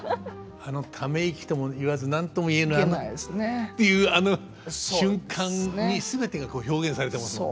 あのため息ともいわず何とも言えぬあのっていうあの瞬間にすべてがこう表現されてますもんね。